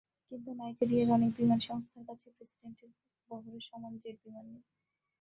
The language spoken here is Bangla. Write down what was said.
কিন্তু নাইজেরিয়ার অনেক বিমান সংস্থার কাছেই প্রেসিডেন্টের বহরের সমান জেট বিমান নেই।